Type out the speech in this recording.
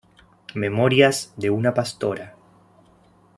Memorias de una pastora.".